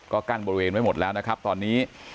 ก็กั้นบริเวณไว้หมดแล้วนะครับตอนนี้